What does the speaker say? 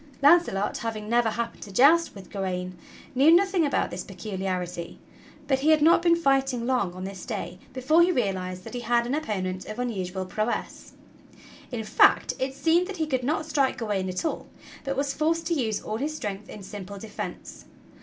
Launcelot, having never happened to joust with Gawain, knew nothing about this peculiarity, but he had not been fighting long on this day before he realized that he had an opponent of unusual prowess. In fact it seemed that he could not strike Gawain at all, but was forced to use all his strength in simple defense.